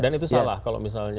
dan itu salah kalau misalnya